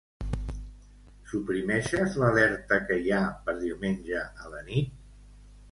Suprimeixes l'alerta que hi ha per diumenge a la nit?